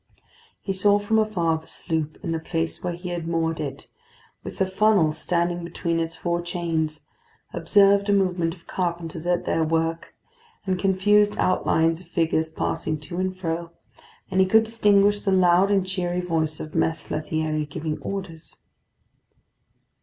He saw from afar the sloop in the place where he had moored it, with the funnel standing between its four chains; observed a movement of carpenters at their work, and confused outlines of figures passing to and fro; and he could distinguish the loud and cheery voice of Mess Lethierry giving orders.